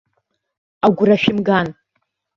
Агәра шәымган.